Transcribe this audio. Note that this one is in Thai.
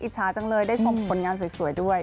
ฉาจังเลยได้ชมผลงานสวยด้วย